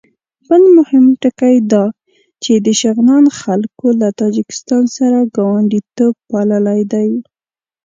بل مهم ټکی دا چې د شغنان خلکو له تاجکستان سره ګاونډیتوب پاللی دی.